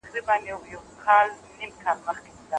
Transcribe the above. خدیجه لا هم په خپل تېر وخت پسې خفه وه.